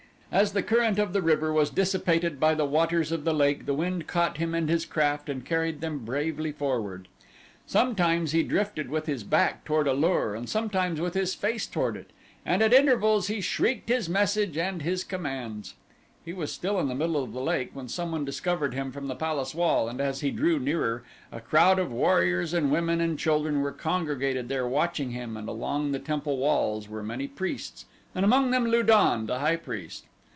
As the current of the river was dissipated by the waters of the lake the wind caught him and his craft and carried them bravely forward. Sometimes he drifted with his back toward A lur and sometimes with his face toward it, and at intervals he shrieked his message and his commands. He was still in the middle of the lake when someone discovered him from the palace wall, and as he drew nearer, a crowd of warriors and women and children were congregated there watching him and along the temple walls were many priests and among them Lu don, the high priest.